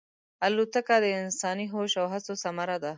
الوتکه د انساني هوش او هڅو ثمره ده.